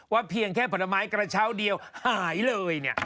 เพียงแค่ผลไม้กระเช้าเดียวหายเลยเนี่ย